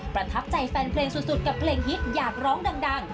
ประทับใจแฟนเพลงสุดกับเพลงฮิตอยากร้องดัง